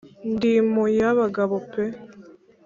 ndi mu y'abagabo pe